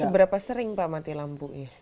seberapa sering pak mati lampu ya